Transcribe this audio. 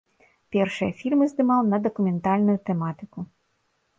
Першыя фільмы здымаў на дакументальную тэматыку.